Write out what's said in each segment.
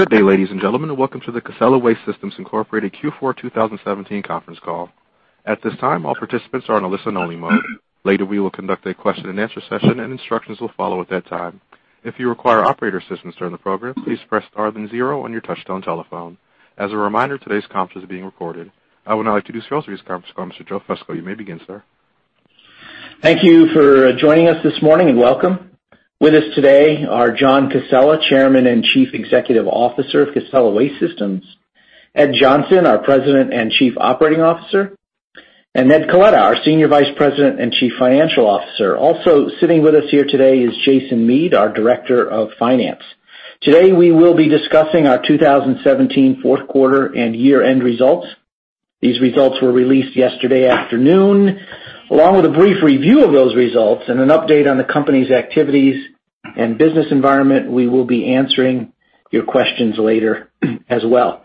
Good day, ladies and gentlemen, welcome to the Casella Waste Systems Incorporated Q4 2017 conference call. At this time, all participants are in a listen-only mode. Later, we will conduct a question and answer session, instructions will follow at that time. If you require operator assistance during the program, please press star then zero on your touchtone telephone. As a reminder, today's conference is being recorded. I would now like to introduce for today's conference call, Mr. Joe Fusco. You may begin, sir. Thank you for joining us this morning, welcome. With us today are John Casella, Chairman and Chief Executive Officer of Casella Waste Systems, Ed Johnson, our President and Chief Operating Officer, and Ned Coletta, our Senior Vice President and Chief Financial Officer. Also sitting with us here today is Jason Mead, our Director of Finance. Today, we will be discussing our 2017 fourth quarter and year-end results. These results were released yesterday afternoon. Along with a brief review of those results, an update on the company's activities and business environment, we will be answering your questions later as well.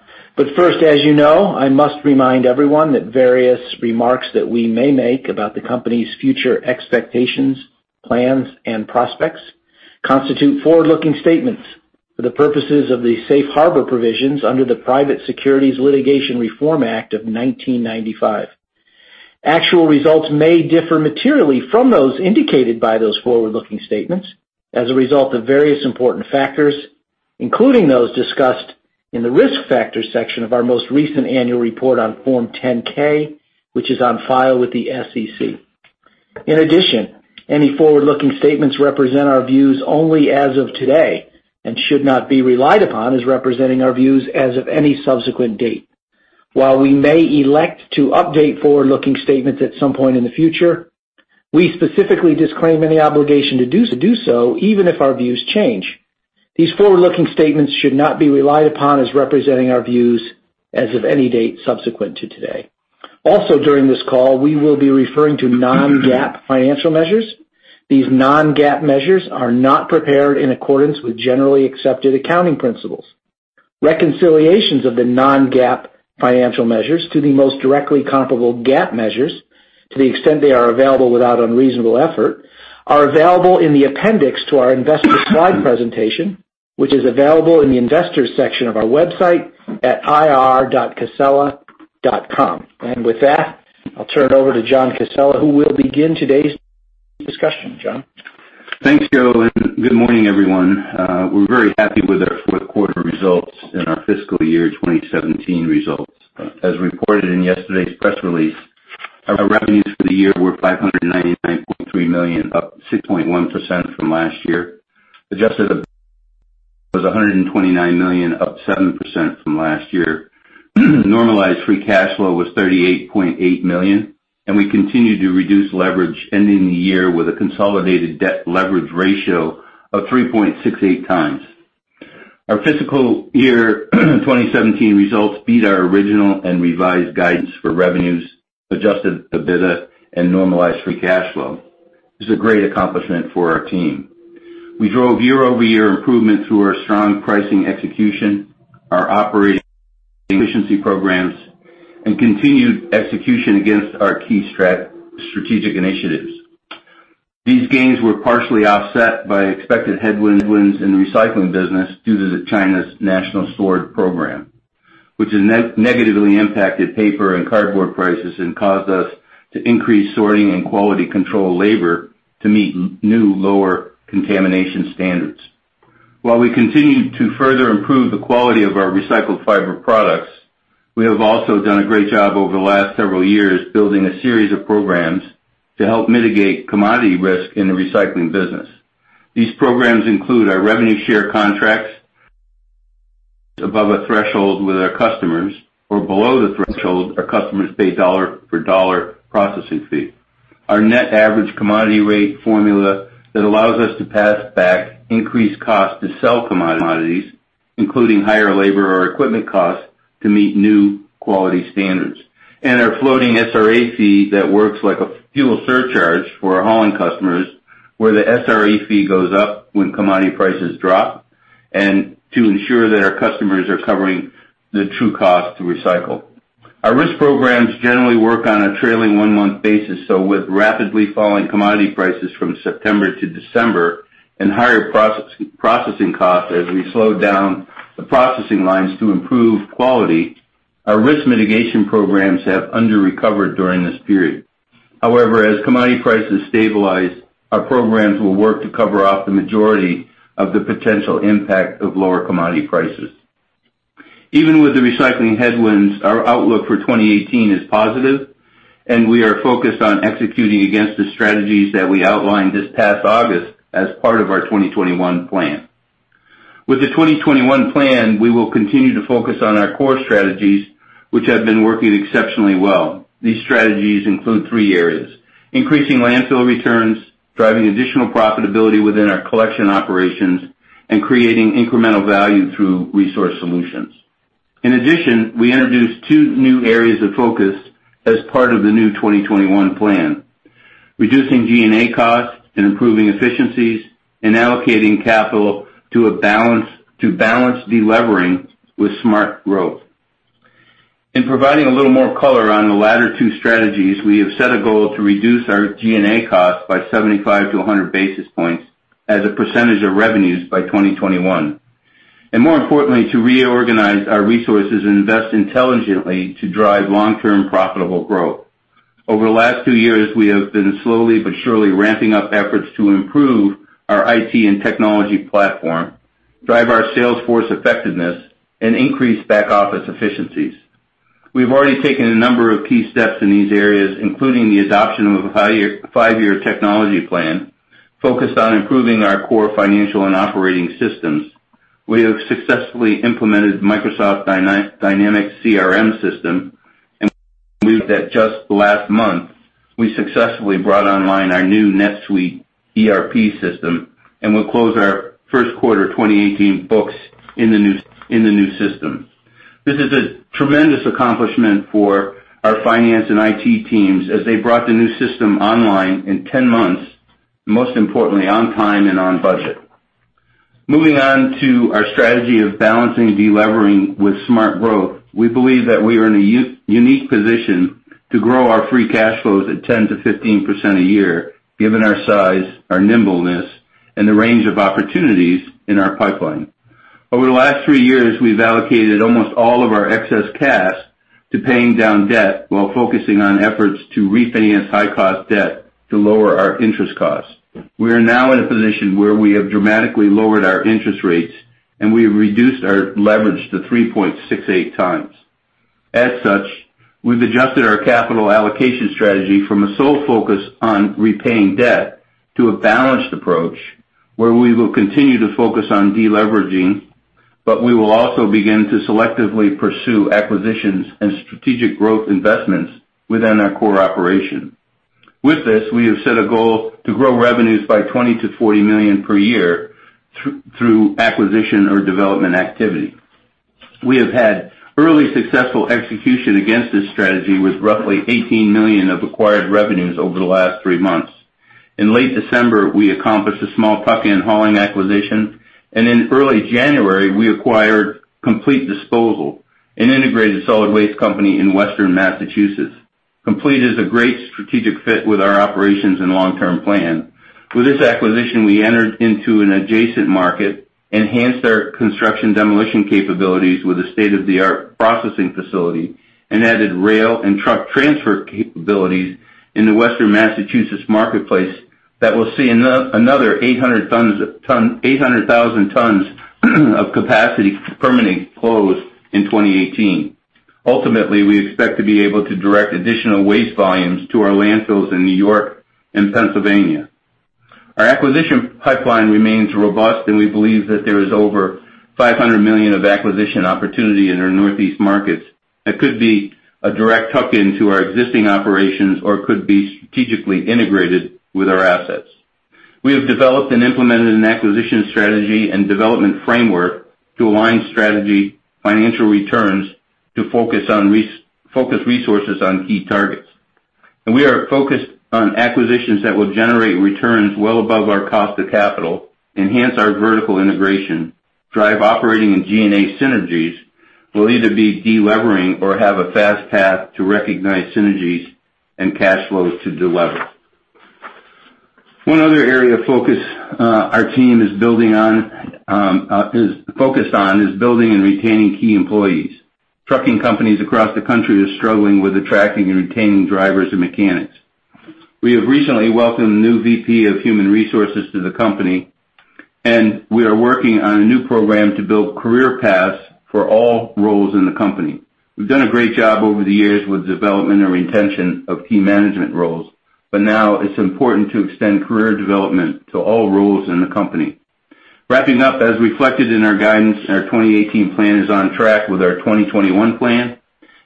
First, as you know, I must remind everyone that various remarks that we may make about the company's future expectations, plans, and prospects constitute forward-looking statements for the purposes of the safe harbor provisions under the Private Securities Litigation Reform Act of 1995. Actual results may differ materially from those indicated by those forward-looking statements as a result of various important factors, including those discussed in the Risk Factors section of our most recent annual report on Form 10-K, which is on file with the SEC. In addition, any forward-looking statements represent our views only as of today and should not be relied upon as representing our views as of any subsequent date. While we may elect to update forward-looking statements at some point in the future, we specifically disclaim any obligation to do so, even if our views change. These forward-looking statements should not be relied upon as representing our views as of any date subsequent to today. Also, during this call, we will be referring to non-GAAP financial measures. These non-GAAP measures are not prepared in accordance with generally accepted accounting principles. Reconciliations of the non-GAAP financial measures to the most directly comparable GAAP measures, to the extent they are available without unreasonable effort, are available in the appendix to our investor slide presentation, which is available in the Investors section of our website at ir.casella.com. With that, I'll turn it over to John Casella, who will begin today's discussion. John? Thanks, Joe, and good morning, everyone. We're very happy with our fourth quarter results and our fiscal year 2017 results. As reported in yesterday's press release, our revenues for the year were $599.3 million, up 6.1% from last year. Adjusted EBITDA was $129 million, up 7% from last year. Normalized free cash flow was $38.8 million, and we continued to reduce leverage ending the year with a consolidated debt leverage ratio of 3.68 times. Our fiscal year 2017 results beat our original and revised guidance for revenues, adjusted EBITDA, and normalized free cash flow. This is a great accomplishment for our team. We drove year-over-year improvement through our strong pricing execution, our operating efficiency programs, and continued execution against our key strategic initiatives. These gains were partially offset by expected headwinds in the recycling business due to China's National Sword program, which has negatively impacted paper and cardboard prices and caused us to increase sorting and quality control labor to meet new, lower contamination standards. While we continue to further improve the quality of our recycled fiber products, we have also done a great job over the last several years building a series of programs to help mitigate commodity risk in the recycling business. These programs include our revenue share contracts above a threshold with our customers, or below the threshold, our customers pay dollar-for-dollar processing fee. Our net average commodity rate formula that allows us to pass back increased cost to sell commodities, including higher labor or equipment costs, to meet new quality standards. Our floating SRA fee that works like a fuel surcharge for our hauling customers, where the SRA fee goes up when commodity prices drop, and to ensure that our customers are covering the true cost to recycle. Our risk programs generally work on a trailing one-month basis, with rapidly falling commodity prices from September to December and higher processing costs as we slow down the processing lines to improve quality, our risk mitigation programs have under-recovered during this period. However, as commodity prices stabilize, our programs will work to cover up the majority of the potential impact of lower commodity prices. Even with the recycling headwinds, our outlook for 2018 is positive, and we are focused on executing against the strategies that we outlined this past August as part of our 2021 plan. With the 2021 plan, we will continue to focus on our core strategies, which have been working exceptionally well. These strategies include three areas. Increasing landfill returns, driving additional profitability within our collection operations, and creating incremental value through resource solutions. In addition, we introduced two new areas of focus as part of the new 2021 plan. Reducing G&A costs and improving efficiencies and allocating capital to balance de-levering with smart growth. In providing a little more color on the latter two strategies, we have set a goal to reduce our G&A costs by 75 to 100 basis points as a percentage of revenues by 2021, and more importantly, to reorganize our resources and invest intelligently to drive long-term profitable growth. Over the last two years, we have been slowly but surely ramping up efforts to improve our IT and technology platform, drive our sales force effectiveness, and increase back office efficiencies. We've already taken a number of key steps in these areas, including the adoption of a five-year technology plan focused on improving our core financial and operating systems. We have successfully implemented Microsoft Dynamics CRM system and moved that just last month, we successfully brought online our new NetSuite ERP system, and we'll close our first quarter 2018 books in the new system. This is a tremendous accomplishment for our finance and IT teams as they brought the new system online in 10 months, most importantly, on time and on budget. Moving on to our strategy of balancing de-levering with smart growth. We believe that we are in a unique position to grow our free cash flows at 10%-15% a year, given our size, our nimbleness, and the range of opportunities in our pipeline. Over the last three years, we've allocated almost all of our excess cash to paying down debt while focusing on efforts to refinance high-cost debt to lower our interest costs. We are now in a position where we have dramatically lowered our interest rates, and we have reduced our leverage to 3.68x. As such, we've adjusted our capital allocation strategy from a sole focus on repaying debt to a balanced approach where we will continue to focus on de-leveraging, but we will also begin to selectively pursue acquisitions and strategic growth investments within our core operation. With this, we have set a goal to grow revenues by $20 million-$40 million per year through acquisition or development activity. We have had early successful execution against this strategy with roughly $18 million of acquired revenues over the last three months. In late December, we accomplished a small tuck-in hauling acquisition, and in early January, we acquired Complete Disposal, an integrated solid waste company in Western Massachusetts. Complete is a great strategic fit with our operations and long-term plan. With this acquisition, we entered into an adjacent market, enhanced our construction demolition capabilities with a state-of-the-art processing facility, and added rail and truck transfer capabilities in the Western Massachusetts marketplace that will see another 800,000 tons of capacity permanently closed in 2018. Ultimately, we expect to be able to direct additional waste volumes to our landfills in New York and Pennsylvania. Our acquisition pipeline remains robust, and we believe that there is over $500 million of acquisition opportunity in our Northeast markets that could be a direct tuck-in to our existing operations or could be strategically integrated with our assets. We have developed and implemented an acquisition strategy and development framework to align strategy financial returns to focus resources on key targets. We are focused on acquisitions that will generate returns well above our cost of capital, enhance our vertical integration, drive operating and G&A synergies, will either be de-levering or have a fast path to recognize synergies and cash flows to delever. One other area of focus our team is focused on is building and retaining key employees. Trucking companies across the country are struggling with attracting and retaining drivers and mechanics. We have recently welcomed a new VP of Human Resources to the company. We are working on a new program to build career paths for all roles in the company. We've done a great job over the years with development and retention of key management roles, but now it's important to extend career development to all roles in the company. Wrapping up, as reflected in our guidance, our 2018 Plan is on track with our 2021 Plan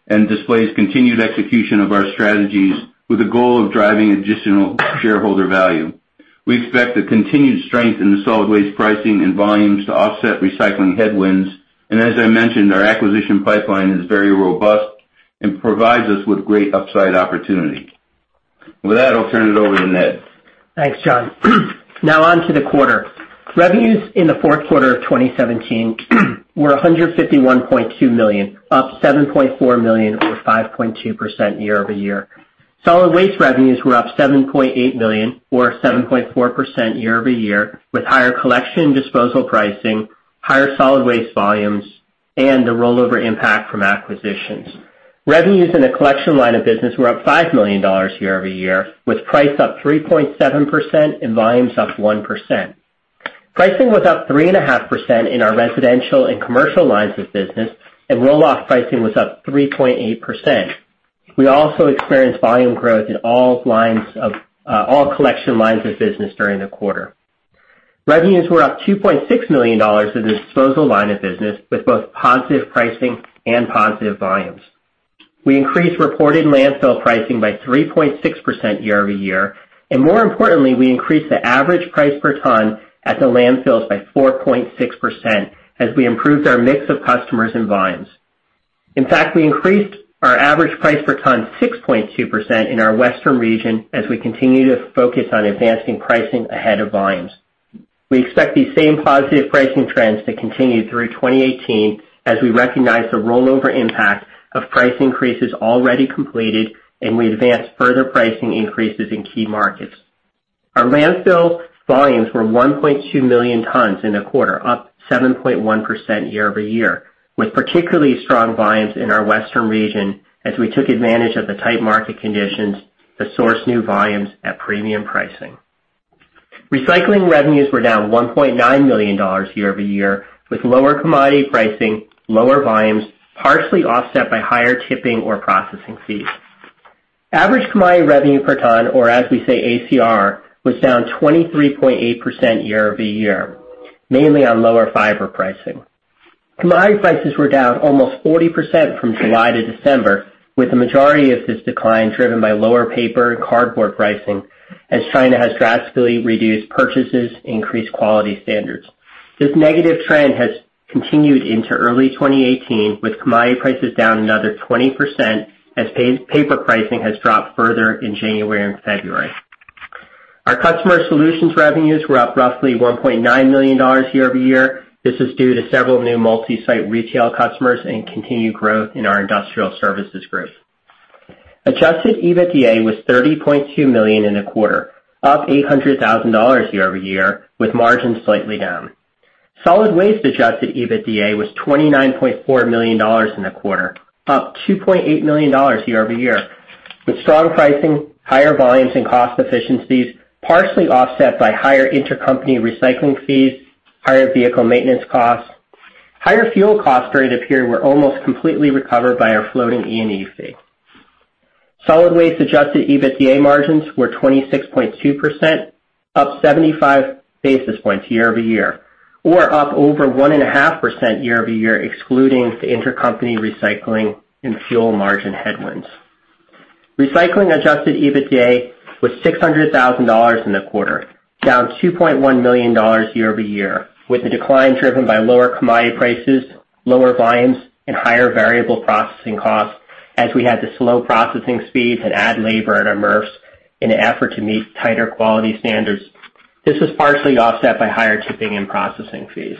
and displays continued execution of our strategies with a goal of driving additional shareholder value. We expect a continued strength in the solid waste pricing and volumes to offset recycling headwinds. As I mentioned, our acquisition pipeline is very robust and provides us with great upside opportunity. With that, I'll turn it over to Ned. Thanks, John. Now on to the quarter. Revenues in the fourth quarter of 2017 were $151.2 million, up $7.4 million or 5.2% year-over-year. Solid waste revenues were up $7.8 million or 7.4% year-over-year, with higher collection and disposal pricing, higher solid waste volumes, and the rollover impact from acquisitions. Revenues in the collection line of business were up $5 million year-over-year, with price up 3.7% and volumes up 1%. Pricing was up 3.5% in our residential and commercial lines of business. Roll-off pricing was up 3.8%. We also experienced volume growth in all collection lines of business during the quarter. Revenues were up $2.6 million in the disposal line of business, with both positive pricing and positive volumes. We increased reported landfill pricing by 3.6% year-over-year. More importantly, we increased the average price per ton at the landfills by 4.6% as we improved our mix of customers and volumes. In fact, we increased our average price per ton 6.2% in our Western region as we continue to focus on advancing pricing ahead of volumes. We expect these same positive pricing trends to continue through 2018 as we recognize the rollover impact of price increases already completed. We advance further pricing increases in key markets. Our landfill volumes were 1.2 million tons in the quarter, up 7.1% year-over-year, with particularly strong volumes in our Western region as we took advantage of the tight market conditions to source new volumes at premium pricing. Recycling revenues were down $1.9 million year-over-year, with lower commodity pricing, lower volumes, partially offset by higher tipping or processing fees. Average commodity revenue per ton, or as we say, ACR, was down 23.8% year-over-year, mainly on lower fiber pricing. Commodity prices were down almost 40% from July to December, with the majority of this decline driven by lower paper and cardboard pricing, as China has drastically reduced purchases, increased quality standards. This negative trend has continued into early 2018, with commodity prices down another 20%, as paper pricing has dropped further in January and February. Our customer solutions revenues were up roughly $1.9 million year-over-year. This is due to several new multi-site retail customers and continued growth in our industrial services group. Adjusted EBITDA was $30.2 million in the quarter, up $800,000 year-over-year, with margins slightly down. Solid Waste adjusted EBITDA was $29.4 million in the quarter, up $2.8 million year-over-year, with strong pricing, higher volumes and cost efficiencies, partially offset by higher intercompany recycling fees, higher vehicle maintenance costs. Higher fuel costs during the period were almost completely recovered by our floating E&E fee. Solid Waste adjusted EBITDA margins were 26.2%, up 75 basis points year-over-year, or up over 1.5% year-over-year, excluding the intercompany recycling and fuel margin headwinds. Recycling adjusted EBITDA was $600,000 in the quarter, down $2.1 million year-over-year, with the decline driven by lower commodity prices, lower volumes, and higher variable processing costs, as we had to slow processing speeds and add labor at our MRFs in an effort to meet tighter quality standards. This was partially offset by higher tipping and processing fees.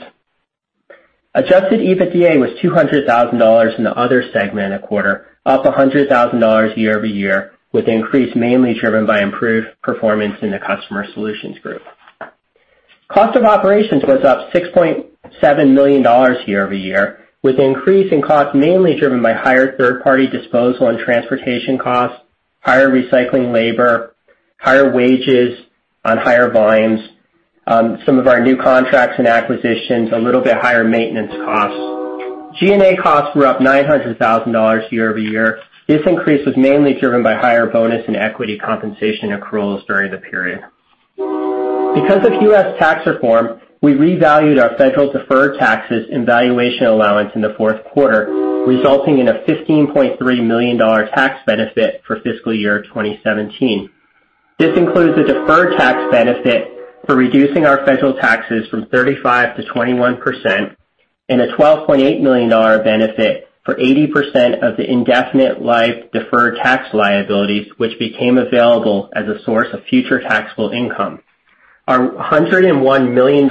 Adjusted EBITDA was $200,000 in the other segment of the quarter, up $100,000 year-over-year, with the increase mainly driven by improved performance in the customer solutions group. Cost of operations was up $6.7 million year-over-year, with the increase in cost mainly driven by higher third-party disposal and transportation costs, higher recycling labor, higher wages on higher volumes, some of our new contracts and acquisitions, a little bit higher maintenance costs. G&A costs were up $900,000 year-over-year. This increase was mainly driven by higher bonus and equity compensation accruals during the period. Because of U.S. tax reform, we revalued our federal deferred taxes and valuation allowance in the fourth quarter, resulting in a $15.3 million tax benefit for fiscal year 2017. This includes a deferred tax benefit for reducing our federal taxes from 35% to 21% and a $12.8 million benefit for 80% of the indefinite life deferred tax liabilities, which became available as a source of future taxable income. Our $101 million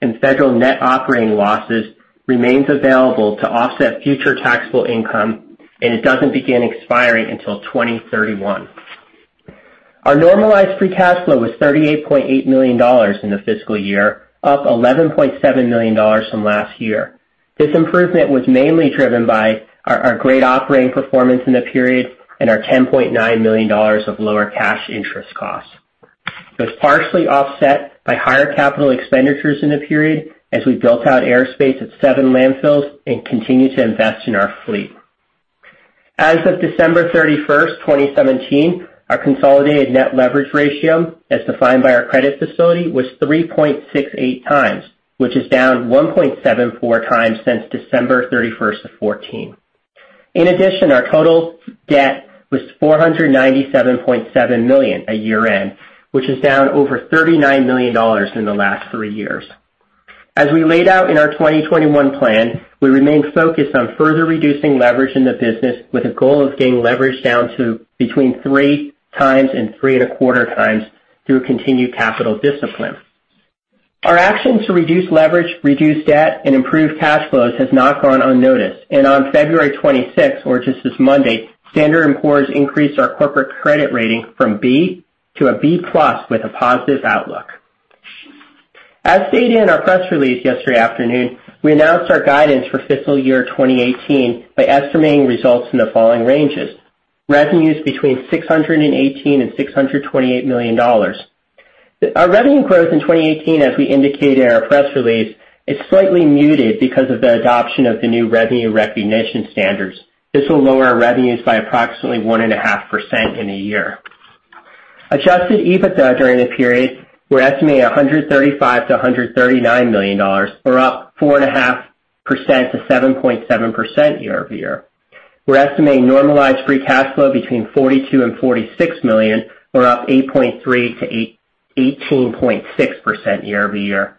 in federal net operating losses remains available to offset future taxable income. It doesn't begin expiring until 2031. Our normalized free cash flow was $38.8 million in the fiscal year, up $11.7 million from last year. This improvement was mainly driven by our great operating performance in the period and our $10.9 million of lower cash interest costs. It was partially offset by higher capital expenditures in the period as we built out airspace at seven landfills and continued to invest in our fleet. As of December 31st, 2017, our consolidated net leverage ratio, as defined by our credit facility, was 3.68 times, which is down 1.74 times since December 31st of 2014. In addition, our total debt was $497.7 million at year-end, which is down over $39 million in the last three years. As we laid out in our 2021 plan, we remain focused on further reducing leverage in the business with a goal of getting leverage down to between three times and three and a quarter times through continued capital discipline. Our actions to reduce leverage, reduce debt, and improve cash flows has not gone unnoticed, and on February 26th, or just this Monday, Standard & Poor's increased our corporate credit rating from B to a B+ with a positive outlook. As stated in our press release yesterday afternoon, we announced our guidance for fiscal year 2018 by estimating results in the following ranges. Revenues between $618 million-$628 million. Our revenue growth in 2018, as we indicated in our press release, is slightly muted because of the adoption of the new revenue recognition standards. This will lower our revenues by approximately 1.5% in a year. Adjusted EBITDA during the period, we're estimating $135 million to $139 million, or up 4.5%-7.7% year-over-year. We're estimating normalized free cash flow between $42 million and $46 million, or up 8.3%-18.6% year-over-year.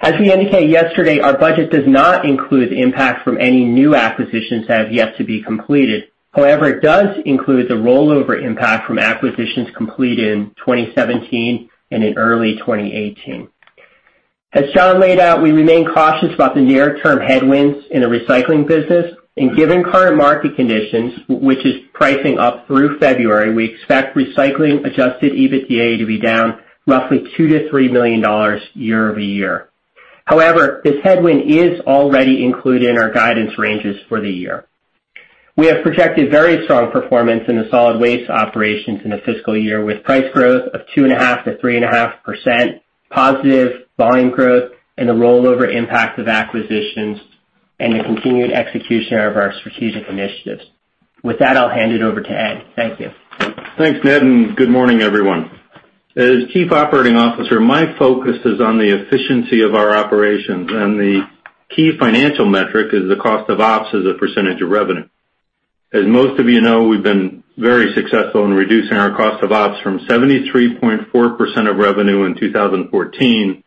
As we indicated yesterday, our budget does not include impact from any new acquisitions that have yet to be completed. However, it does include the rollover impact from acquisitions completed in 2017 and in early 2018. As John laid out, we remain cautious about the near-term headwinds in the recycling business. Given current market conditions, which is pricing up through February, we expect recycling adjusted EBITDA to be down roughly $2 million to $3 million year-over-year. However, this headwind is already included in our guidance ranges for the year. We have projected very strong performance in the solid waste operations in the fiscal year, with price growth of 2.5%-3.5% positive volume growth and the rollover impact of acquisitions and the continued execution of our strategic initiatives. With that, I'll hand it over to Ed. Thank you. Thanks, Ned, and good morning, everyone. As Chief Operating Officer, my focus is on the efficiency of our operations, the key financial metric is the cost of ops as a percentage of revenue. As most of you know, we've been very successful in reducing our cost of ops from 73.4% of revenue in 2014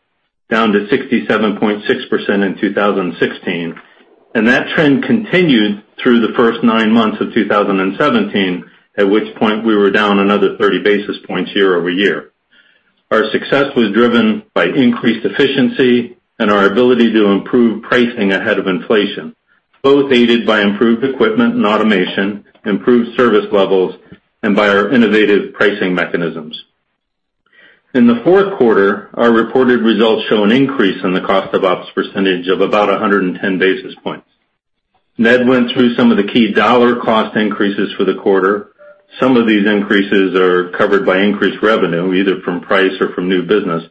down to 67.6% in 2016. That trend continued through the first nine months of 2017, at which point we were down another 30 basis points year-over-year. Our success was driven by increased efficiency and our ability to improve pricing ahead of inflation, both aided by improved equipment and automation, improved service levels, and by our innovative pricing mechanisms. In the fourth quarter, our reported results show an increase in the cost of ops percentage of about 110 basis points. Ned went through some of the key dollar cost increases for the quarter. Some of these increases are covered by increased revenue, either from price or from new business,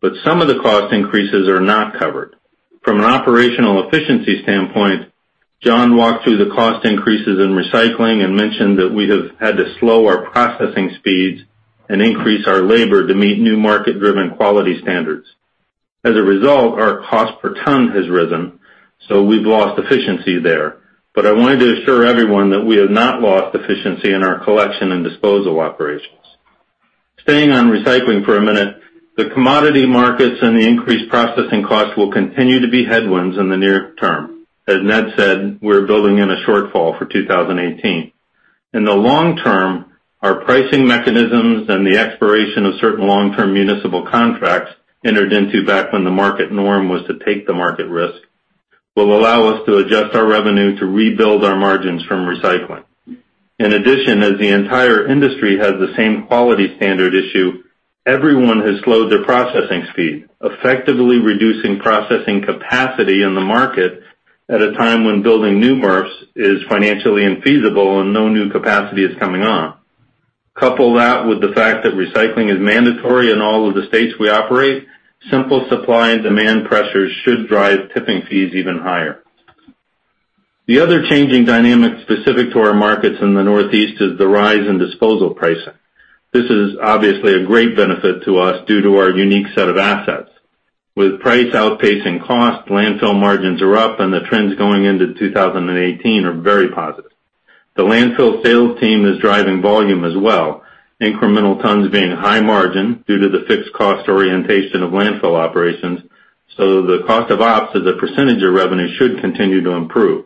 but some of the cost increases are not covered. From an operational efficiency standpoint, John walked through the cost increases in recycling and mentioned that we have had to slow our processing speeds and increase our labor to meet new market-driven quality standards. As a result, our cost per ton has risen, so we've lost efficiency there. I wanted to assure everyone that we have not lost efficiency in our collection and disposal operations. Staying on recycling for a minute, the commodity markets and the increased processing costs will continue to be headwinds in the near term. As Ned said, we're building in a shortfall for 2018. In the long term, our pricing mechanisms and the expiration of certain long-term municipal contracts entered into back when the market norm was to take the market risk, will allow us to adjust our revenue to rebuild our margins from recycling. In addition, as the entire industry has the same quality standard issue, everyone has slowed their processing speed, effectively reducing processing capacity in the market at a time when building new MRFs is financially infeasible and no new capacity is coming on. Couple that with the fact that recycling is mandatory in all of the states we operate, simple supply and demand pressures should drive tipping fees even higher. The other changing dynamic specific to our markets in the Northeast is the rise in disposal pricing. This is obviously a great benefit to us due to our unique set of assets. With price outpacing cost, landfill margins are up and the trends going into 2018 are very positive. The landfill sales team is driving volume as well, incremental tons being high margin due to the fixed cost orientation of landfill operations, so the cost of ops as a percentage of revenue should continue to improve.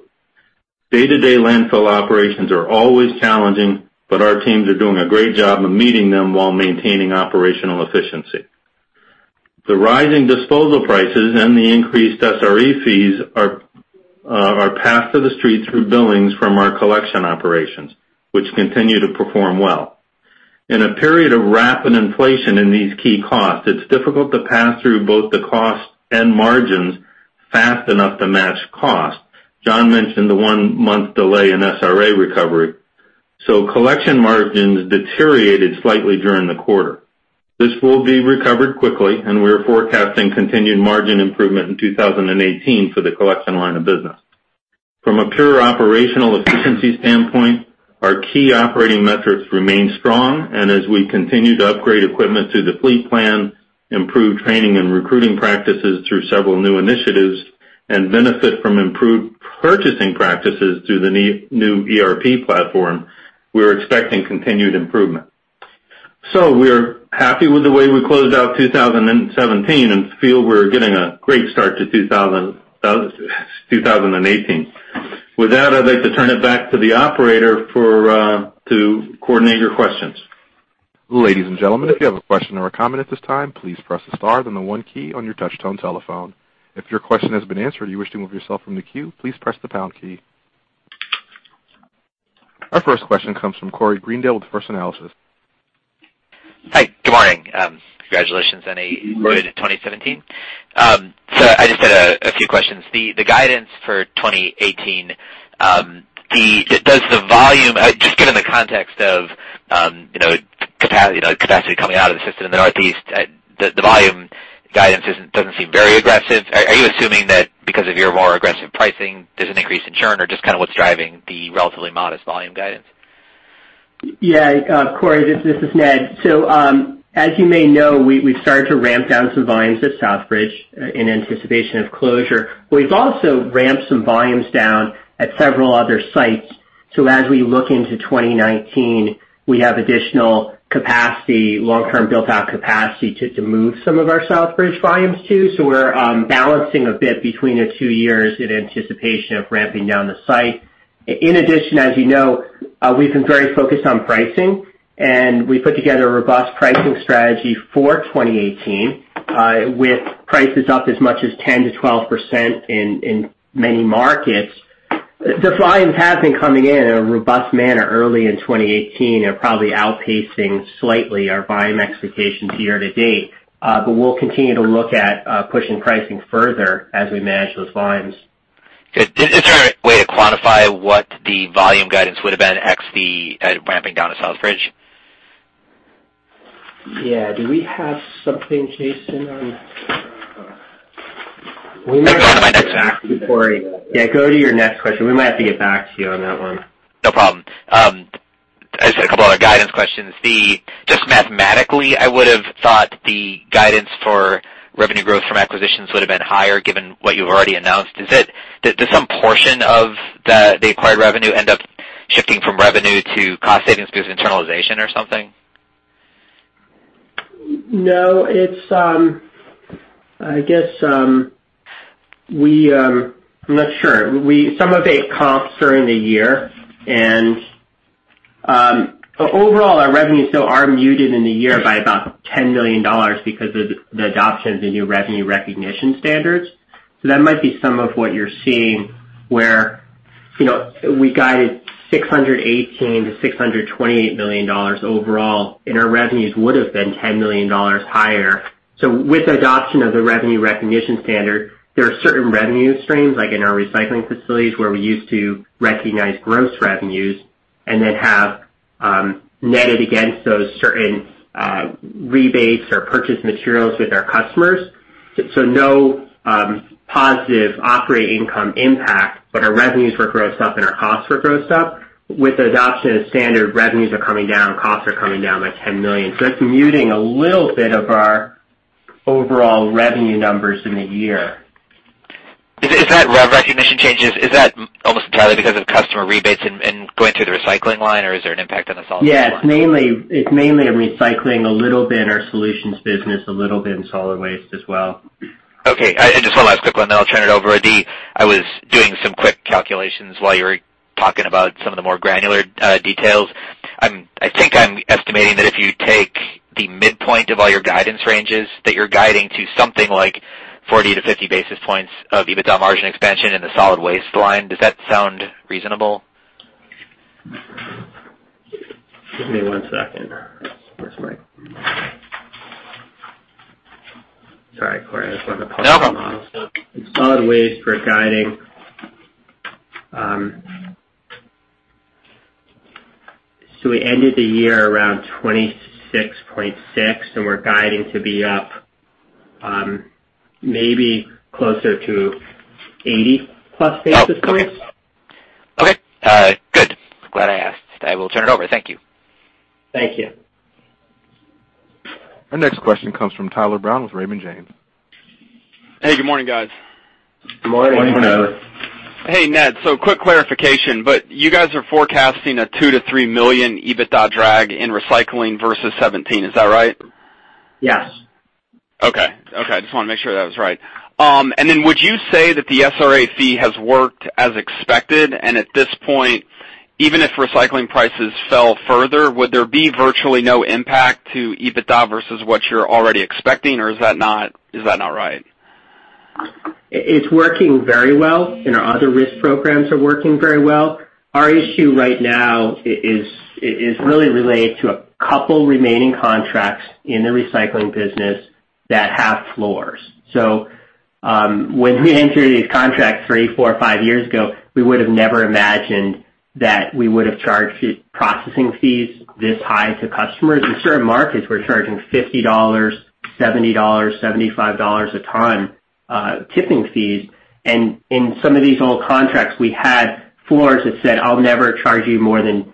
Day-to-day landfill operations are always challenging, but our teams are doing a great job of meeting them while maintaining operational efficiency. The rising disposal prices and the increased SRA fees are passed to the street through billings from our collection operations, which continue to perform well. In a period of rapid inflation in these key costs, it's difficult to pass through both the costs and margins fast enough to match cost. John mentioned the one-month delay in SRA recovery. Collection margins deteriorated slightly during the quarter. This will be recovered quickly, and we are forecasting continued margin improvement in 2018 for the collection line of business. From a pure operational efficiency standpoint, our key operating metrics remain strong. As we continue to upgrade equipment through the fleet plan, improve training and recruiting practices through several new initiatives, and benefit from improved purchasing practices through the new ERP platform, we are expecting continued improvement. We are happy with the way we closed out 2017 and feel we're getting a great start to 2018. With that, I'd like to turn it back to the operator to coordinate your questions. Ladies and gentlemen, if you have a question or a comment at this time, please press the star then the one key on your touch tone telephone. If your question has been answered or you wish to move yourself from the queue, please press the pound key. Our first question comes from Corey Greendale with First Analysis. Hi. Good morning. Congratulations on a good 2017. I just had a few questions. The guidance for 2018, just given the context of capacity coming out of the system in the Northeast, the volume guidance doesn't seem very aggressive. Are you assuming that because of your more aggressive pricing, there's an increase in churn? Or just kind of what's driving the relatively modest volume guidance? Yeah, Corey, this is Ned. As you may know, we've started to ramp down some volumes at Southbridge, in anticipation of closure. We've also ramped some volumes down at several other sites. As we look into 2019, we have additional capacity, long-term built-out capacity to move some of our Southbridge volumes to. We're balancing a bit between the two years in anticipation of ramping down the site. In addition, as you know, we've been very focused on pricing, and we put together a robust pricing strategy for 2018, with prices up as much as 10%-12% in many markets. The volumes have been coming in in a robust manner early in 2018 and probably outpacing slightly our volume expectations year to date. We'll continue to look at pushing pricing further as we manage those volumes. Good. Is there a way to quantify what the volume guidance would have been, x the ramping down of Southbridge? Yeah. Do we have something, Jason, on? We might have to get back to you, Corey. No. Go on to my next question. Yeah, go to your next question. We might have to get back to you on that one. No problem. I just had a couple other guidance questions. Just mathematically, I would have thought the guidance for revenue growth from acquisitions would have been higher given what you've already announced. Does some portion of the acquired revenue end up shifting from revenue to cost savings because of internalization or something? No. I'm not sure. Some of it comps during the year. Overall our revenues still are muted in the year by about $10 million because of the adoption of the new revenue recognition standards. That might be some of what you're seeing, where we guided $618 million-$628 million overall, and our revenues would have been $10 million higher. With the adoption of the revenue recognition standard, there are certain revenue streams, like in our recycling facilities, where we used to recognize gross revenues and then have netted against those certain rebates or purchase materials with our customers. No positive operating income impact, but our revenues were grossed up and our costs were grossed up. With the adoption of the standard, revenues are coming down, costs are coming down by $10 million. That's muting a little bit of our overall revenue numbers in the year. Is that revenue recognition changes, is that almost entirely because of customer rebates and going through the recycling line, or is there an impact on the solid waste line? Yes. It's mainly in recycling, a little bit in our solutions business, a little bit in solid waste as well. Okay. Just one last quick one, then I'll turn it over. Ned, I was doing some quick calculations while you were talking about some of the more granular details. I think I'm estimating that if you take the midpoint of all your guidance ranges, that you're guiding to something like 40 to 50 basis points of EBITDA margin expansion in the solid waste line. Does that sound reasonable? Give me one second. Sorry, Corey, I just wanted to pull up the models. No problem. In solid waste, we're guiding we ended the year around 26.6%, and we're guiding to be up maybe closer to 80-plus basis points. Okay. Good. Glad I asked. I will turn it over. Thank you. Thank you. Our next question comes from Tyler Brown with Raymond James. Hey, good morning, guys. Good morning. Good morning, Tyler. Hey, Ned. Quick clarification, you guys are forecasting a $2 million-$3 million EBITDA drag in recycling versus 2017, is that right? Yes. Okay. I just wanted to make sure that was right. Would you say that the SRA fee has worked as expected, at this point, even if recycling prices fell further, would there be virtually no impact to EBITDA versus what you're already expecting, or is that not right? It's working very well, our other risk programs are working very well. Our issue right now is really related to a couple remaining contracts in the recycling business that have floors. When we entered these contracts three, four, five years ago, we would have never imagined that we would have charged processing fees this high to customers. In certain markets, we're charging $50, $70, $75 a ton tipping fees. In some of these old contracts, we had floors that said, "I'll never charge you more than,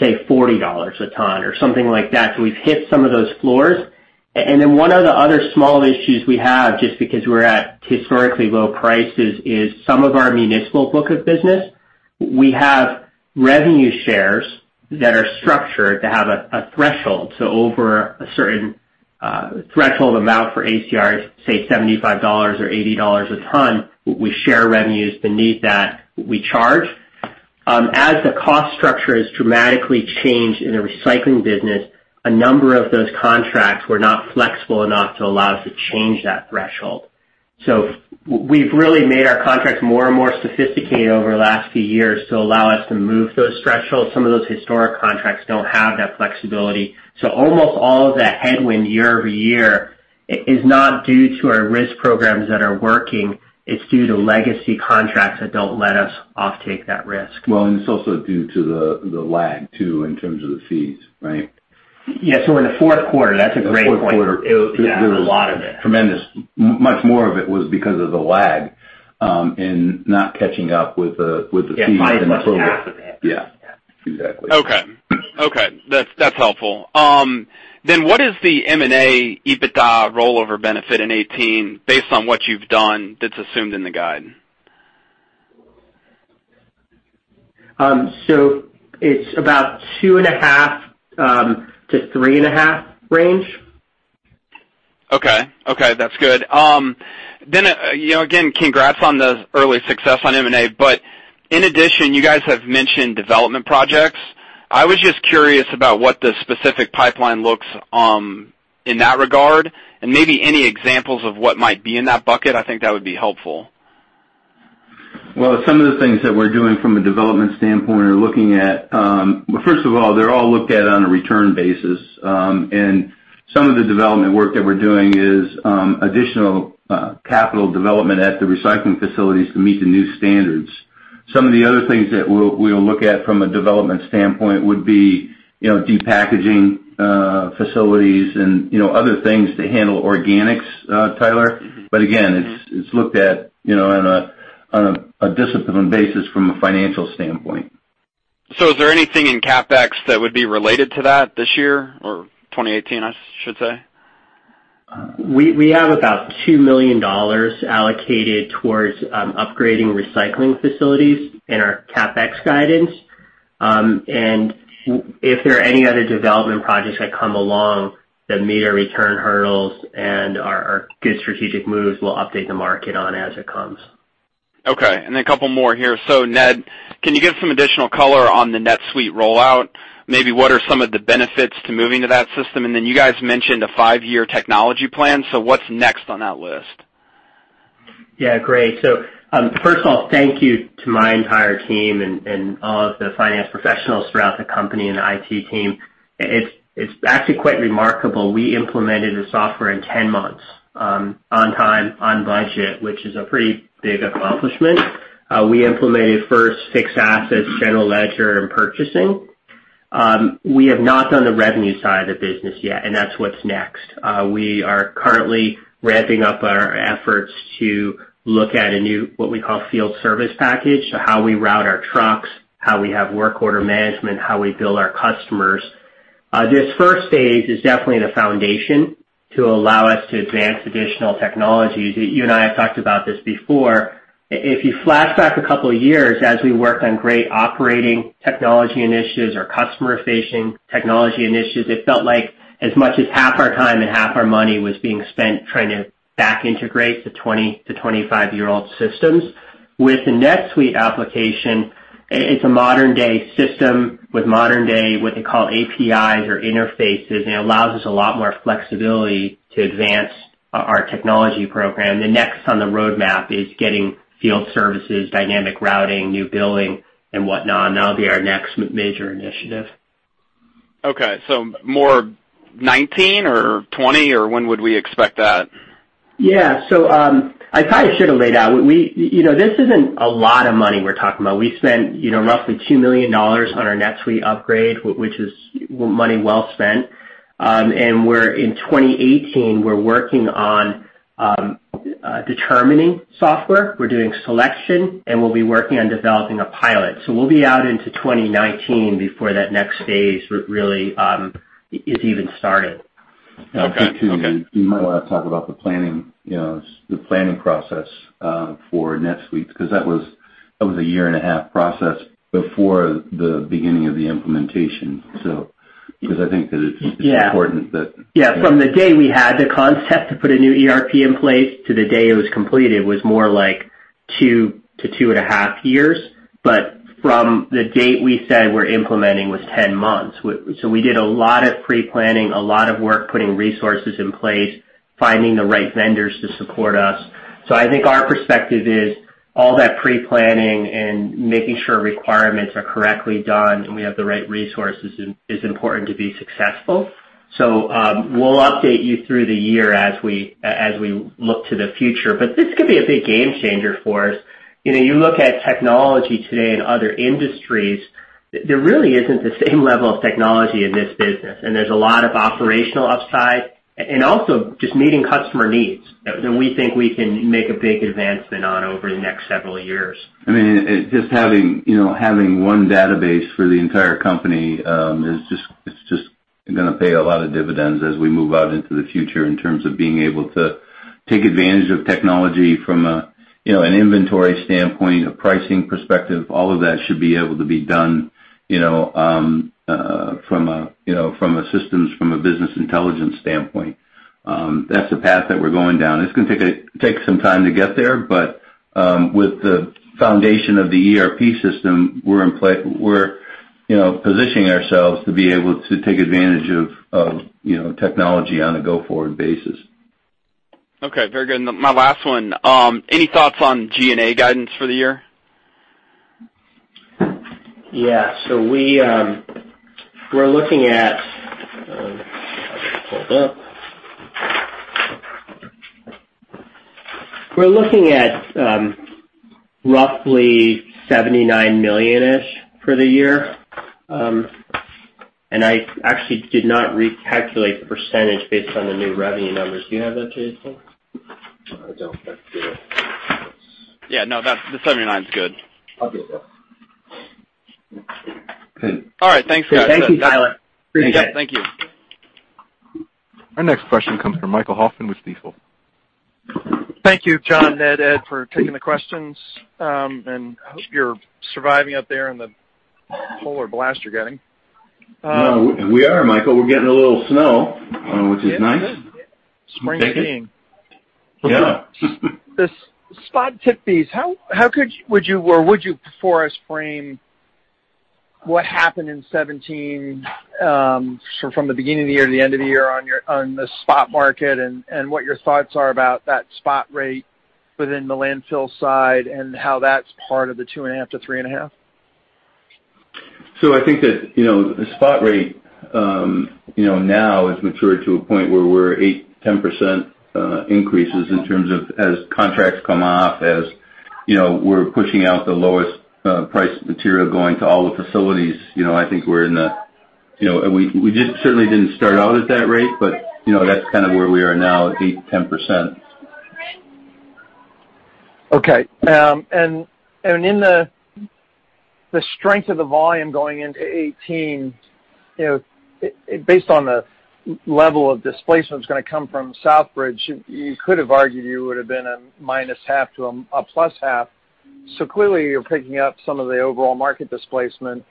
say, $40 a ton," or something like that. We've hit some of those floors. One of the other small issues we have, just because we're at historically low prices, is some of our municipal book of business. We have revenue shares that are structured to have a threshold. Over a certain threshold amount for ACRs, say $75 or $80 a ton, we share revenues. Beneath that, we charge. As the cost structure has dramatically changed in the recycling business, a number of those contracts were not flexible enough to allow us to change that threshold. We've really made our contracts more and more sophisticated over the last few years to allow us to move those thresholds. Some of those historic contracts don't have that flexibility. Almost all of that headwind year-over-year is not due to our risk programs that are working. It's due to legacy contracts that don't let us offtake that risk. Well, it's also due to the lag, too, in terms of the fees, right? Yeah. In the fourth quarter, that's a great point. The fourth quarter. Yeah, a lot of it. Tremendous. Much more of it was because of the lag, in not catching up with the fees in the fourth quarter. Yeah, probably at least half of it. Yeah. Yeah. Exactly. What is the M&A EBITDA rollover benefit in 2018, based on what you've done that's assumed in the guide? It's about two and a half to three and a half range. Okay. That's good. Again, congrats on the early success on M&A, in addition, you guys have mentioned development projects. I was just curious about what the specific pipeline looks in that regard, and maybe any examples of what might be in that bucket, I think that would be helpful. Well, some of the things that we're doing from a development standpoint are Well, first of all, they're all looked at on a return basis. Some of the development work that we're doing is additional capital development at the recycling facilities to meet the new standards. Some of the other things that we'll look at from a development standpoint would be, de-packaging facilities and other things to handle organics, Tyler. Again, it's looked at on a disciplined basis from a financial standpoint. Is there anything in CapEx that would be related to that this year, or 2018, I should say? We have about $2 million allocated towards upgrading recycling facilities in our CapEx guidance. If there are any other development projects that come along that meet our return hurdles and are good strategic moves, we'll update the market on as it comes. Okay, a couple more here. Ned, can you give some additional color on the NetSuite rollout? Maybe what are some of the benefits to moving to that system? Then you guys mentioned a five-year technology plan. What's next on that list? Yeah, great. First of all, thank you to my entire team and all of the finance professionals throughout the company and the IT team. It's actually quite remarkable. We implemented the software in 10 months, on time, on budget, which is a pretty big accomplishment. We implemented first fixed assets, general ledger, and purchasing. We have not done the revenue side of the business yet, and that's what's next. We are currently ramping up our efforts to look at a new, what we call field service package. How we route our trucks, how we have work order management, how we bill our customers. This first phase is definitely the foundation to allow us to advance additional technologies. You and I have talked about this before. If you flash back a couple of years, as we worked on great operating technology initiatives or customer-facing technology initiatives, it felt like as much as half our time and half our money was being spent trying to back integrate the 20 to 25-year-old systems. With the NetSuite application, it's a modern-day system with modern day, what they call APIs or interfaces, and it allows us a lot more flexibility to advance our technology program. The next on the roadmap is getting field services, dynamic routing, new billing and whatnot, and that'll be our next major initiative. Okay. More 2019 or 2020, or when would we expect that? Yeah. I probably should have laid out. This isn't a lot of money we're talking about. We spent roughly $2 million on our NetSuite upgrade, which is money well spent. In 2018, we're working on determining software. We're doing selection, and we'll be working on developing a pilot. We'll be out into 2019 before that next phase really is even started. Okay. I think, too, you might want to talk about the planning process for NetSuite, because that was a year-and-a-half process before the beginning of the implementation. I think that it's. Yeah important that. Yeah, from the day we had the concept to put a new ERP in place to the day it was completed was more like 2 to 2.5 years. From the date we said we're implementing was 10 months. We did a lot of pre-planning, a lot of work putting resources in place, finding the right vendors to support us. I think our perspective is all that pre-planning and making sure requirements are correctly done and we have the right resources is important to be successful. We'll update you through the year as we look to the future. This could be a big game changer for us. You look at technology today in other industries, there really isn't the same level of technology in this business. There's a lot of operational upside, and also just meeting customer needs that we think we can make a big advancement on over the next several years. I mean, just having one database for the entire company is just going to pay a lot of dividends as we move out into the future in terms of being able to take advantage of technology from an inventory standpoint, a pricing perspective. All of that should be able to be done from a systems, from a business intelligence standpoint. That's the path that we're going down. It's going to take some time to get there, but with the foundation of the ERP system, we're positioning ourselves to be able to take advantage of technology on a go-forward basis. Okay. Very good. My last one, any thoughts on G&A guidance for the year? We're looking at Let me get this pulled up. We're looking at roughly $79 million-ish for the year. I actually did not recalculate the percentage based on the new revenue numbers. Do you have that, Jason? No, I don't. Yeah, no, the 79 is good. Okay. All right. Thanks, guys. Thank you, Tyler. Appreciate it. Yeah, thank you. Our next question comes from Michael Hoffman with Stifel. Thank you, John, Ned, Ed, for taking the questions. I hope you're surviving up there in the polar blast you're getting. We are, Michael. We're getting a little snow, which is nice. Spring is beginning. Yeah. The spot tip fees, how would you, for a spring, what happened in 2017, from the beginning of the year to the end of the year on the spot market, and what your thoughts are about that spot rate within the landfill side, and how that's part of the two and a half to three and a half? I think that the spot rate now has matured to a point where we're 8%-10% increases in terms of as contracts come off, as we're pushing out the lowest priced material going to all the facilities. We certainly didn't start out at that rate, but that's kind of where we are now at 8%-10%. In the strength of the volume going into 2018, based on the level of displacement that's going to come from Southbridge, you could have argued you would have been a minus half to a plus half. Clearly, you're picking up some of the overall market displacement,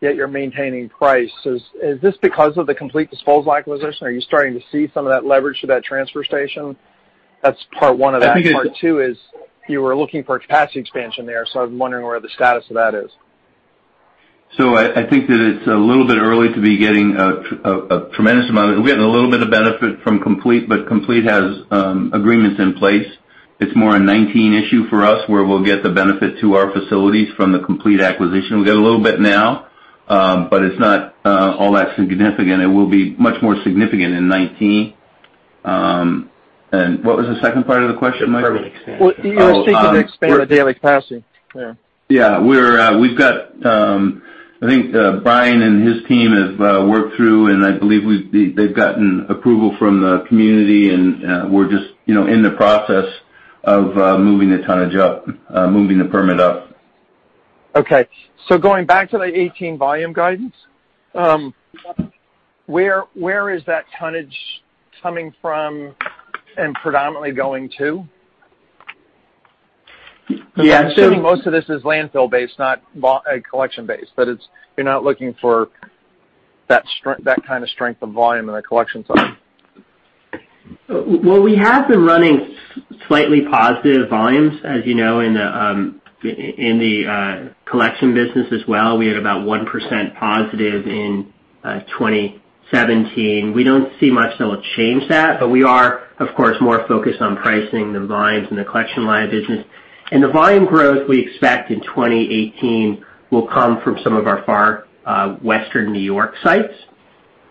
yet you're maintaining price. Is this because of the Complete Disposal acquisition? Are you starting to see some of that leverage through that transfer station? That's part one of that. Part two is, you were looking for a capacity expansion there, so I'm wondering where the status of that is. I think that it's a little bit early to be getting a tremendous amount. We're getting a little bit of benefit from Complete, but Complete has agreements in place. It's more a 2019 issue for us, where we'll get the benefit to our facilities from the Complete acquisition. We'll get a little bit now, but it's not all that significant. It will be much more significant in 2019. What was the second part of the question, Michael? The permit expansion. Well, you were seeking to expand the daily capacity. Yeah. I think Brian and his team have worked through, and I believe they've gotten approval from the community, and we're just in the process of moving the tonnage up, moving the permit up. Going back to the 2018 volume guidance, where is that tonnage coming from and predominantly going to? Yeah. I'm assuming most of this is landfill-based, not collection-based, but you're not looking for that kind of strength of volume in the collection side. We have been running slightly positive volumes, as you know, in the collection business as well. We had about 1% positive in 2017. We don't see much that will change that, we are, of course, more focused on pricing the volumes in the collection line of business. The volume growth we expect in 2018 will come from some of our far western New York sites.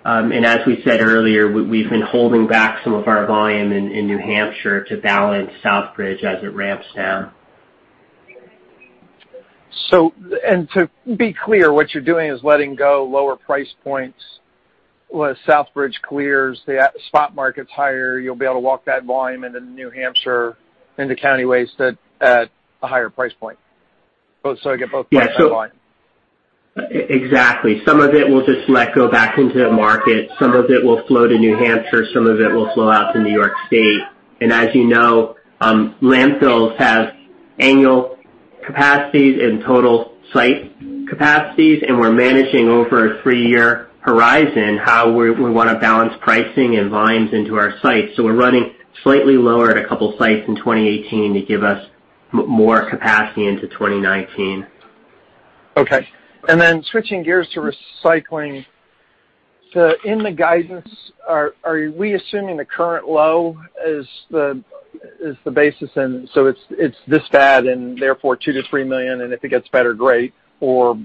As we said earlier, we've been holding back some of our volume in New Hampshire to balance Southbridge as it ramps down. To be clear, what you're doing is letting go lower price points. As Southbridge clears, the spot market's higher, you'll be able to walk that volume into New Hampshire, into County Waste at a higher price point. I get both points on volume. Yeah. Exactly. Some of it we'll just let go back into the market. Some of it will flow to New Hampshire, some of it will flow out to New York State. As you know, landfills have annual capacities and total site capacities, we're managing over a three-year horizon how we want to balance pricing and volumes into our sites. We're running slightly lower at a couple sites in 2018 to give us more capacity into 2019. Okay. Switching gears to recycling. In the guidance, are we assuming the current low is the basis, it's this bad, therefore $2 million-$3 million, if it gets better, great, or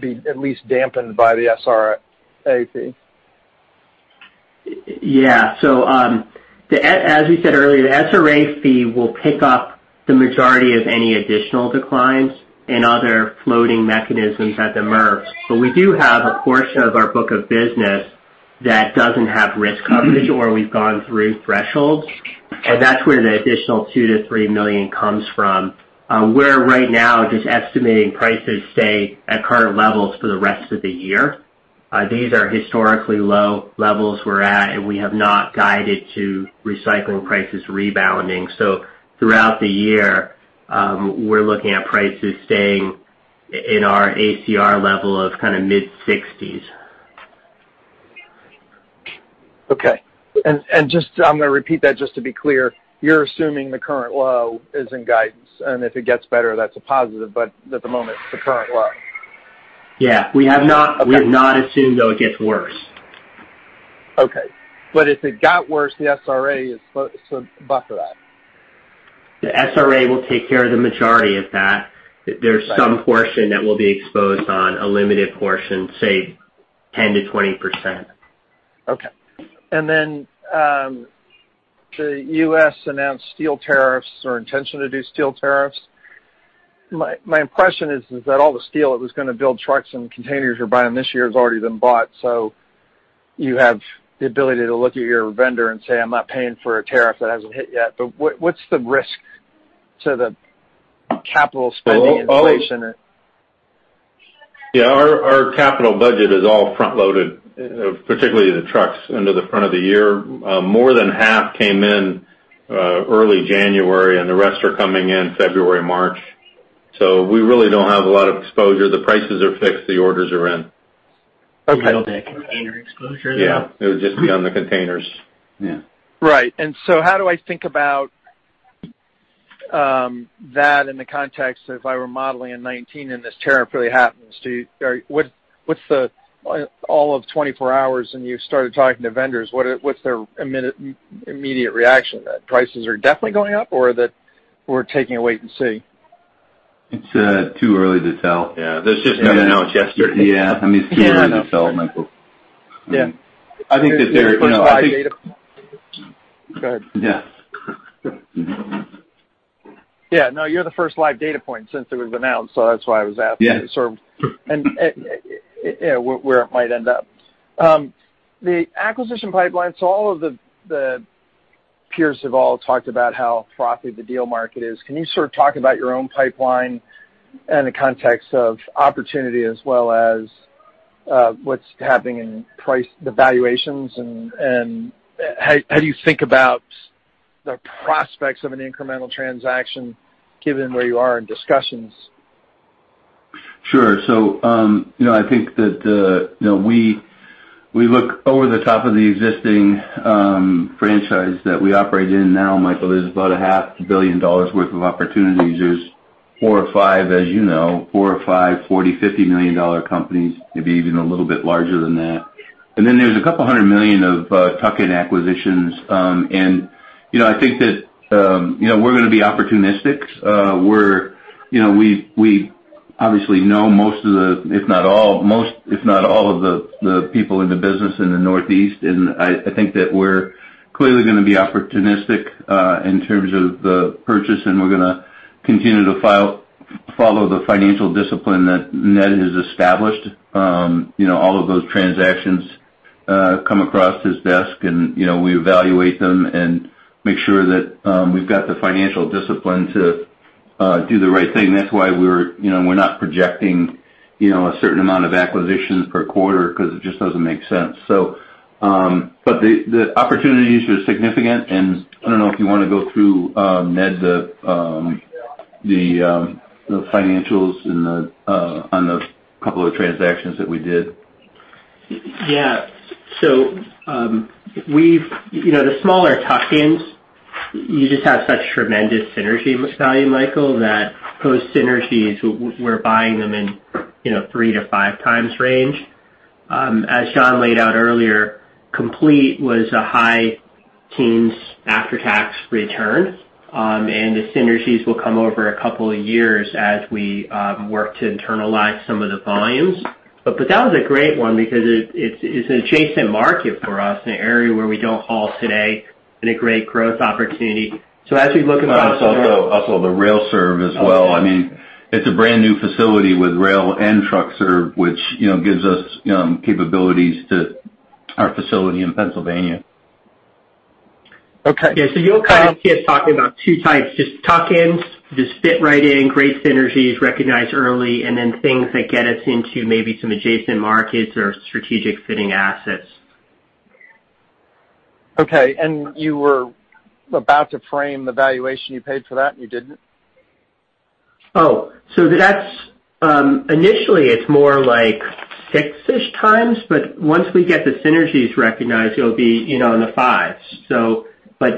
be at least dampened by the SRA fee? As we said earlier, the SRA fee will pick up the majority of any additional declines and other floating mechanisms that emerge. We do have a portion of our book of business that doesn't have risk coverage or we've gone through thresholds, and that's where the additional $2 million-$3 million comes from. We're right now just estimating prices stay at current levels for the rest of the year. These are historically low levels we're at, and we have not guided to recycling prices rebounding. Throughout the year, we're looking at prices staying in our ACR level of mid-60s. I'm going to repeat that just to be clear. You're assuming the current low is in guidance. If it gets better, that's a positive, but at the moment, it's the current low? We have not assumed though it gets worse. If it got worse, the SRA is supposed to buffer that. The SRA will take care of the majority of that. There's some portion that will be exposed on a limited portion, say 10%-20%. Okay. Then, the U.S. announced steel tariffs or intention to do steel tariffs. My impression is that all the steel that was going to build trucks and containers you're buying this year has already been bought, you have the ability to look at your vendor and say, "I'm not paying for a tariff that hasn't hit yet." What's the risk to the capital spending inflation? Yeah. Our capital budget is all front-loaded, particularly the trucks into the front of the year. More than half came in early January, the rest are coming in February, March. We really don't have a lot of exposure. The prices are fixed, the orders are in. Okay. We don't have container exposure. Yeah. It would just be on the containers. Yeah. Right. How do I think about that in the context of if I were modeling in 2019 and this tariff really happens, all of 24 hours and you started talking to vendors, what's their immediate reaction to that? Prices are definitely going up, or that we're taking a wait and see? It's too early to tell. Yeah. This just got announced yesterday. Yeah. I mean, it's too early to tell, Michael. Yeah. I think that they're. Go ahead. Yeah. Yeah, no, you're the first live data point since it was announced, that's why I was asking. Yeah. Sort of where it might end up. The acquisition pipeline, all of the peers have all talked about how frothy the deal market is. Can you sort of talk about your own pipeline in the context of opportunity as well as what's happening in price, the valuations, and how do you think about the prospects of an incremental transaction, given where you are in discussions? Sure. I think that we look over the top of the existing franchise that we operate in now, Michael. There's about a half billion dollars worth of opportunities. There's four or five as you know, four or five $40, $50 million companies, maybe even a little bit larger than that. There's a couple hundred million of tuck-in acquisitions. I think that we're going to be opportunistic. We obviously know most, if not all of the people in the business in the Northeast, I think that we're clearly going to be opportunistic in terms of the purchase, and we're going to continue to follow the financial discipline that Ned has established. All of those transactions come across his desk, we evaluate them and make sure that we've got the financial discipline to do the right thing. That's why we're not projecting a certain amount of acquisitions per quarter, because it just doesn't make sense. The opportunities are significant, and I don't know if you want to go through, Ned, the financials on the couple of transactions that we did. Yeah. The smaller tuck-ins, you just have such tremendous synergy value, Michael, that those synergies, we're buying them in three to five times range. As John laid out earlier, Complete was a high teens after-tax return. The synergies will come over a couple of years as we work to internalize some of the volumes. That was a great one because it's an adjacent market for us in an area where we don't haul today and a great growth opportunity. Also the rail serve as well. I mean, it's a brand-new facility with rail and truck serve, which gives us capabilities to our facility in Pennsylvania. Okay. Yeah. You'll kind of hear us talking about 2 types, just tuck-ins, just fit right in, great synergies, recognized early, and then things that get us into maybe some adjacent markets or strategic fitting assets. Okay. You were about to frame the valuation you paid for that, you didn't? Oh. That's initially, it's more like 6-ish times, but once we get the synergies recognized, it'll be in the 5s.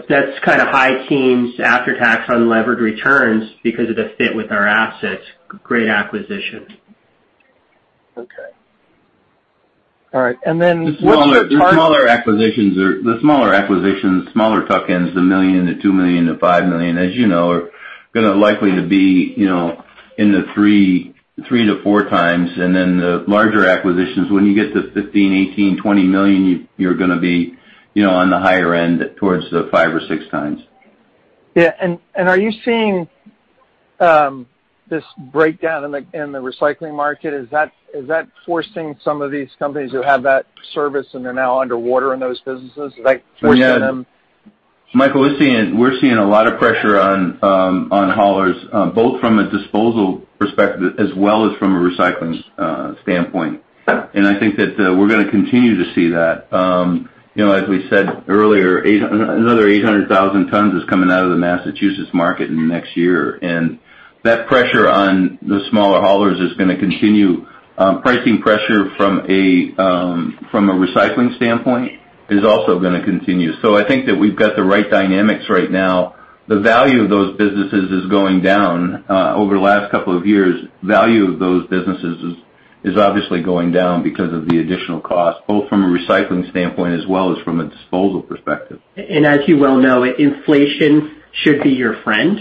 That's kind of high teens after-tax unlevered returns because of the fit with our assets. Great acquisition. Okay. All right. What's the target? The smaller acquisitions, smaller tuck-ins, the $1 million, the $2 million, the $5 million, as you know, are going to likely to be in the 3-4 times. Then the larger acquisitions, when you get to $15 million, $18 million, $20 million, you're going to be on the higher end towards the 5 or 6 times. Yeah. Are you seeing this breakdown in the recycling market? Is that forcing some of these companies who have that service and they're now underwater in those businesses? Is that forcing them? Michael, we're seeing a lot of pressure on haulers, both from a disposal perspective as well as from a recycling standpoint. I think that we're going to continue to see that. As we said earlier, another 800,000 tons is coming out of the Massachusetts market in the next year, and that pressure on the smaller haulers is going to continue. Pricing pressure from a recycling standpoint is also going to continue. I think that we've got the right dynamics right now. The value of those businesses is going down. Over the last couple of years, value of those businesses is obviously going down because of the additional cost, both from a recycling standpoint as well as from a disposal perspective. As you well know, inflation should be your friend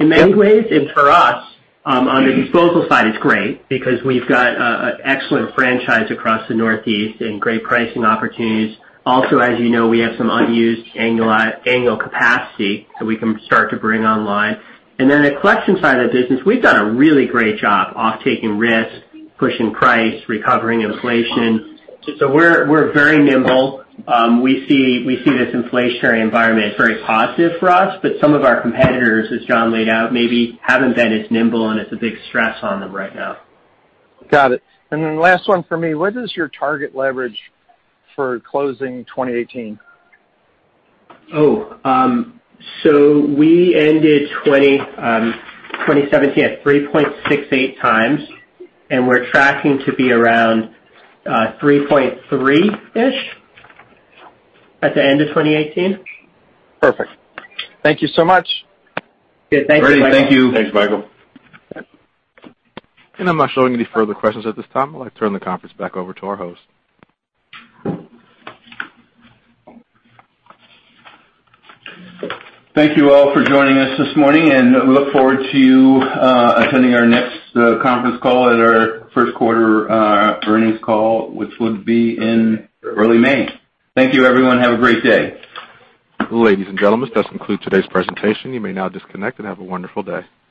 in many ways. For us, on the disposal side, it's great because we've got an excellent franchise across the Northeast and great pricing opportunities. Also, as you know, we have some unused annual capacity that we can start to bring online. The collection side of the business, we've done a really great job of taking risks, pushing price, recovering inflation. We're very nimble. We see this inflationary environment very positive for us, but some of our competitors, as John laid out, maybe haven't been as nimble, and it's a big stress on them right now. Got it. Last one from me. What is your target leverage for closing 2018? We ended 2017 at 3.68x, and we're tracking to be around 3.3-ish at the end of 2018. Perfect. Thank you so much. Good. Thanks, Michael. Great. Thank you. Thanks, Michael. I'm not showing any further questions at this time. I'd like to turn the conference back over to our host. Thank you all for joining us this morning, and we look forward to you attending our next conference call at our first quarter earnings call, which would be in early May. Thank you, everyone. Have a great day. Ladies and gentlemen, this does conclude today's presentation. You may now disconnect and have a wonderful day.